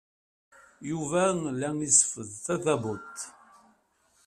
Yuba la iseffeḍ tadabut.